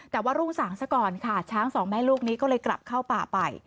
แต่ว่ารุ่งสางซะก่อนค่ะช้างสองแม่ลูกนี้ก็เลยกลับเข้าป่าไป